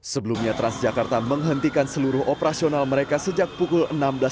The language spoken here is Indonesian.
sebelumnya transjakarta menghentikan seluruh operasional mereka sejak pukul enam belas tiga puluh